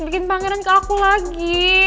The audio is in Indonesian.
bikin pangeran ke aku lagi